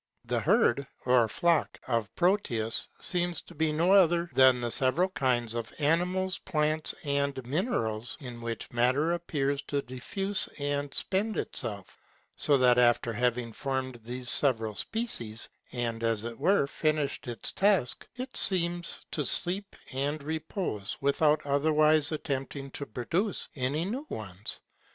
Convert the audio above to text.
The herd, or flock of Proteus, seems to be no other than the several kinds of animals, plants, and minerals, in which matter appears to diffuse and spend itself; so that after having formed these several species, and as it were finished its task, it seems to sleep and repose, without otherwise attempting to produce any new ones.